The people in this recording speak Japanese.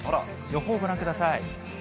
予報ご覧ください。